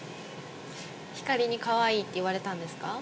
ひかりに「かわいい」って言われたんですか？